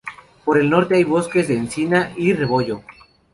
Por el norte hay bosques de encina y de rebollo.